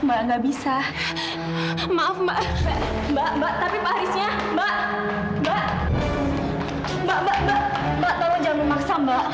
mbak mbak mbak mbak tolong jangan memaksa mbak